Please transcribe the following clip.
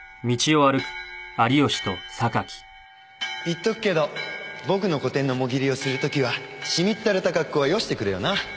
言っとくけど僕の個展のモギリをするときはしみったれた格好はよしてくれよな。